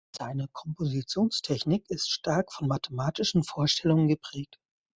Seine Kompositionstechnik ist stark von mathematischen Vorstellungen geprägt.